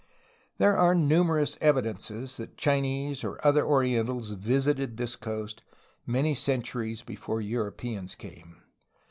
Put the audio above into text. There are numerous evidences that Chinese or other orientals visited this coast many centuries before Europeans came.